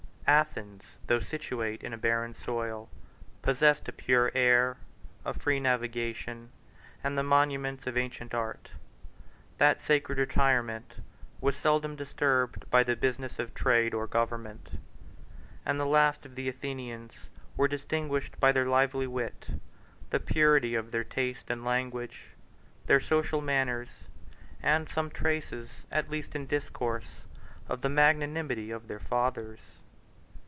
Athens, though situate in a barren soil, possessed a pure air, a free navigation, and the monuments of ancient art. That sacred retirement was seldom disturbed by the business of trade or government; and the last of the Athenians were distinguished by their lively wit, the purity of their taste and language, their social manners, and some traces, at least in discourse, of the magnanimity of their fathers.